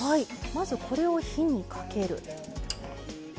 まずこれを火にかける。